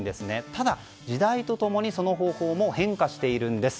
ただ、時代と共にその方法も変化しているんです。